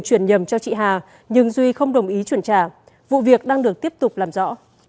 chuyển nhầm cho chị hà nhưng duy không đồng ý chuyển trả vụ việc đang được tiếp tục làm rõ